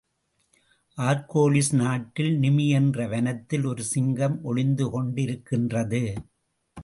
Argolis நாட்டில் நிமீ என்ற வனத்தில் ஒரு சிங்கம் ஒளிந்து திரிந்துகொண்டிருக்கின்றது.